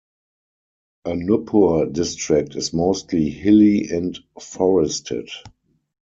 Anuppur District is mostly hilly and forested.